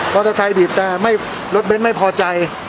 เตอร์ไซค์บีบแต่รถเบ้นไม่พอใจ